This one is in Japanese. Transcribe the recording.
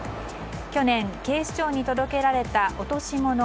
去年、警視庁に届けられた落とし物